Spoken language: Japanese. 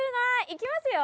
いきますよ！